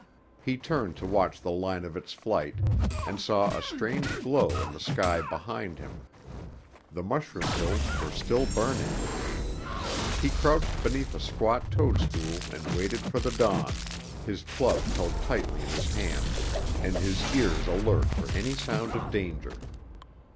He turned to watch the line of its flight, and saw a strange glow in the sky behind him. The mushroom hills were still burning. He crouched beneath a squat toadstool and waited for the dawn, his club held tightly in his hands, and his ears alert for any sound of danger.